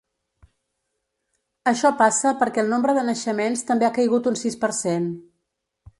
Això passa perquè el nombre de naixements també ha caigut un sis per cent.